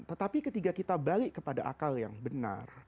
tetapi ketika kita balik kepada akal yang benar